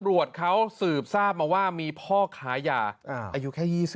ปลูหฎเขาสืบทราบมาว่ามีพ่อก้ายาอายุแค่๒๐ปี